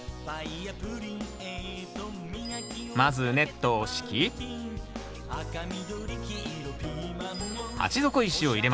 まずネットを敷き鉢底石を入れましょう。